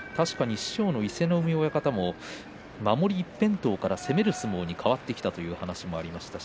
師匠の伊勢ノ海親方も守り一辺倒から攻める相撲に変わってきたと話しています。